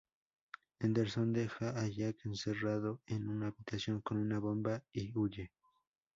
Henderson deja a Jack encerrado en una habitación con una bomba y huye.